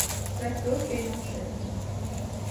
Sa coque est en chêne.